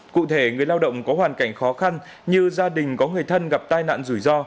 cụ thể người lao động có hoàn cảnh khó khăn như gia đình có người thân gặp tai nạn rủi ro